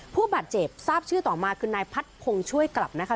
ผู้บาดเจ็บทราบชื่อต่อมาคือนายพัดพงศ์ช่วยกลับนะคะ